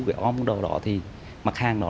cái ôm đồ đó thì mặt hàng đó